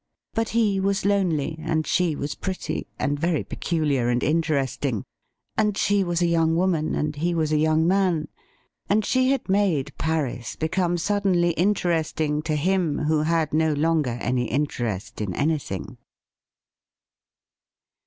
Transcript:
But he was lonely, and she was pretty and very peculiar and interest ing, and she was a young woman and he was a young man ; and she had made Paris become suddenly interesting to him, who had no longer any interest in anything.